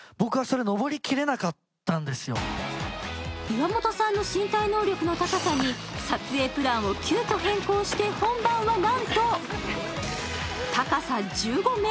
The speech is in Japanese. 岩本さんの身体能力の高さに撮影プランを急きょ変更して本番はなんと高さ１５ｍに。